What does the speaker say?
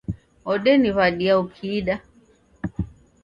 Odeniw'adia ukidaa